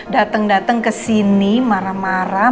dateng dateng kesini marah marah